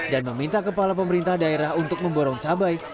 dan meminta kepala pemerintah daerah untuk memborong cabai